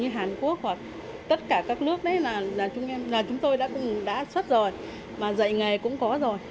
hàn quốc hoặc tất cả các nước đấy là chúng tôi đã xuất rồi mà dạy nghề cũng có rồi